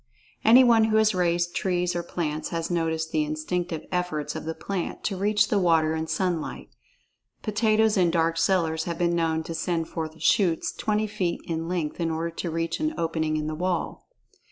Anyone who has raised trees or plants has noticed the instinctive efforts of the plant to reach the water and sunlight. Potatoes in dark cellars have been known to send forth shoots twenty feet in length in order to reach an opening in the wall.